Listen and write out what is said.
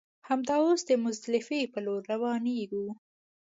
همدا اوس د مزدلفې پر لور روانېږو.